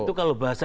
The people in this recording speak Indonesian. itu kalau berarti